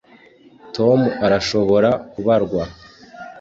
Tom arashobora kubarwa